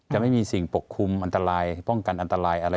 จะไม่มีสิ่งปกคลุมอันตรายป้องกันอันตรายอะไร